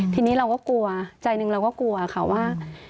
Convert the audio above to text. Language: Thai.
ทีนี้เราก็กลัวใจหนึ่งเราก็กลัวค่ะว่า